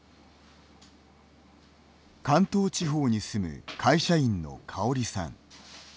関東地方に住む会社員のカオリさん。